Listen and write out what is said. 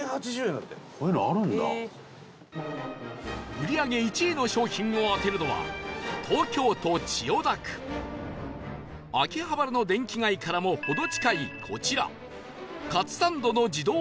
売り上げ１位の商品を当てるのは秋葉原の電気街からも程近いこちら